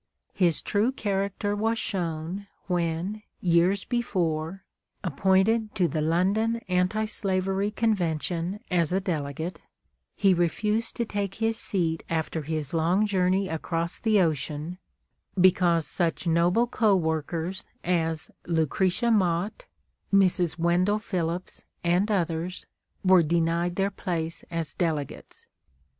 His true character was shown when, years before, appointed to the London Anti Slavery Convention as a delegate, he refused to take his seat after his long journey across the ocean, because such noble co workers as Lucretia Mott, Mrs. Wendell Phillips, and others, were denied their place as delegates.